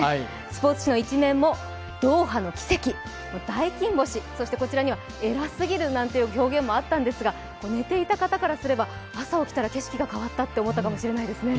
スポーツ紙の１面も、ドーハの奇跡、大金星、そしてこちらにはえらすぎると書いてあるんですが寝ていた方からすれば、朝、起きたら景色が変わったって思った人もいると思いますね。